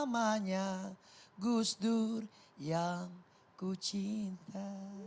namanya gus dur yang ku cinta